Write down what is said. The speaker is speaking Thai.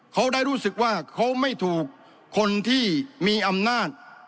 เขาได้รู้สึกว่าเขาไม่ถูกคนที่มีอำนาจ